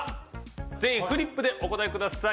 全員フリップでお答えください。